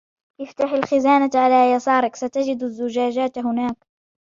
افتح الخزانة على يسارك، ستجد الزجاجات هناك